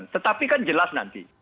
tetapi kan jelas nanti